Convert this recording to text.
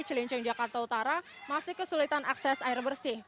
cilincing jakarta utara masih kesulitan akses air bersih